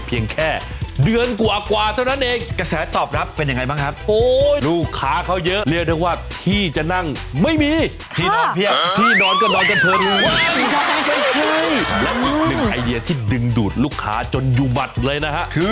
และอีกหนึ่งไอเดียที่ดึงดูดลูกค้าจนยุบัตรเลยนะครับ